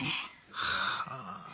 はあ。